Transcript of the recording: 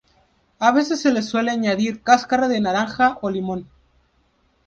A veces se les suele añadir cáscara de naranja o limón.